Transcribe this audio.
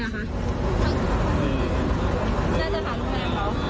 น่าจะพักเท่านั้นหรือเปล่า